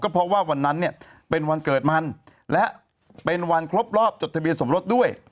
เพราะว่าวันนั้นเนี่ยเป็นวันเกิดมันและเป็นวันครบรอบจดทะเบียนสมรสด้วย